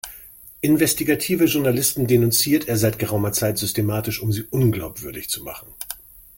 Investigative Journalisten denunziert er seit geraumer Zeit systematisch, um sie unglaubwürdig zu machen.